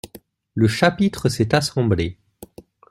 Le chapitre s'est assemblé.